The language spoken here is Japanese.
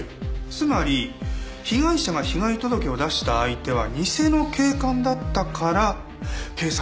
つまり被害者が被害届を出した相手は偽の警官だったから警察は動かなかった。